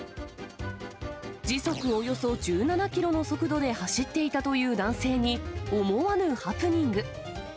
時速およそ１７キロの速度で走っていたという男性に、思わぬハプニング。